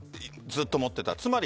ずっと思っていた。